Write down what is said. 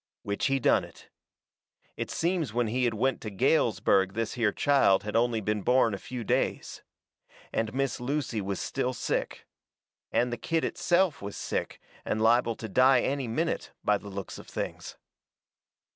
Which he done it. It seems when he had went to Galesburg this here child had only been born a few days. And Miss Lucy was still sick. And the kid itself was sick, and liable to die any minute, by the looks of things.